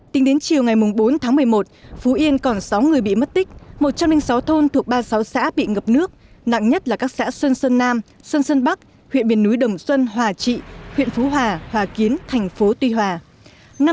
tính đến chiều ngày bốn tháng một mươi một phú yên còn sáu người bị mất tích một trăm linh sáu thôn thuộc ba mươi sáu xã bị ngập nước nặng nhất là các xã sơn sơn nam sơn sơn bắc huyện miền núi đồng xuân hòa trị huyện phú hòa hòa kiến thành phố tuy hòa